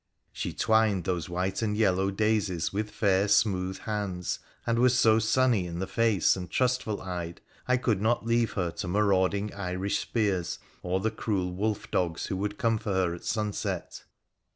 She twined those white and yellow daisies with fair smooth hands, and was so sunny in the face and trustful eyed I could not leave her to marauding Irish spears, or the cruel wolfdogs who would come for her at sunset.